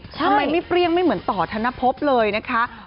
ทำไมไม่เปรี้ยงไม่เหมือนต่อธนภพเลยนะคะ